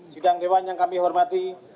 sidang dewan yang kami hormati